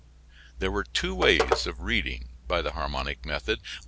] There were two ways of reading by the harmonic method.